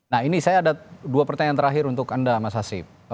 nah ini saya ada dua pertanyaan terakhir untuk anda mas hasib